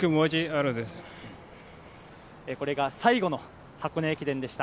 これが最後の箱根駅伝でした。